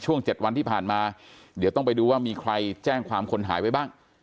๗วันที่ผ่านมาเดี๋ยวต้องไปดูว่ามีใครแจ้งความคนหายไว้บ้าง